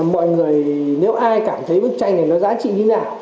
mọi người nếu ai cảm thấy bức tranh này nó giá trị như thế nào